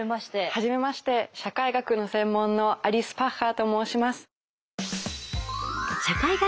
はじめまして社会学の専門のアリス・パッハーと申します。